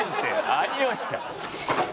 有吉さん。